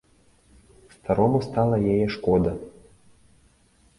Старому стала яе шкода.